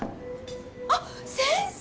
あっ先生！